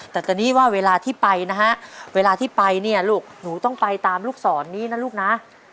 แต่ตอนนี้ว่าเวลาที่ไปนะฮะเวลาที่ไปเนี่ยลูกหนูต้องไปตามลูกศรนี้นะลูกนะ